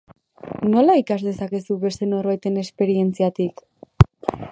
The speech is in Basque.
Nola ikas dezakezu beste norbaiten esperientziatik?